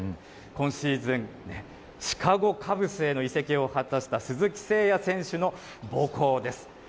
今シーズン、シカゴカブスへの移籍を果たした鈴木誠也選手の母校です。